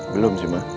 belum sih ma